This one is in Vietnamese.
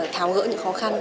tháo gỡ những khó khăn